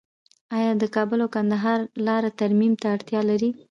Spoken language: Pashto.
آیا د کابل او کندهار لاره ترمیم ته اړتیا لري؟